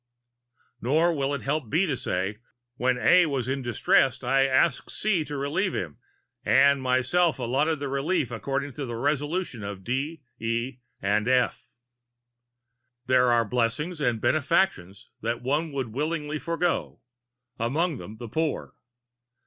Nor will it help B to say, "When A was in distress I asked C to relieve him, and myself allotted the relief according to a resolution of D, E and F." There are blessings and benefactions that one would willingly forego among them the poor.